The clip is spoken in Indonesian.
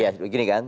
iya begini kan